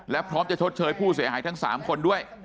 และพร้อมจะชดเชยผู้เสียหายทั้ง๓คนด้วย